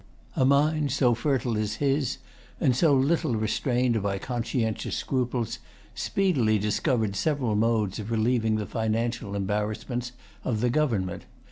A mind so fertile as his, and so little restrained by conscientious scruples, speedily discovered several modes of relieving the financial embarrassments of the government.